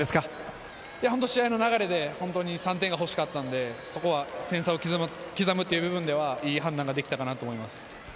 試合の流れで３点が欲しかったので、点差を刻むという部分ではいい判断ができたと思います。